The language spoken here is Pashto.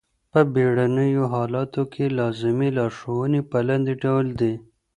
په بېړنیو حالاتو کي لازمي لارښووني په لاندي ډول دي.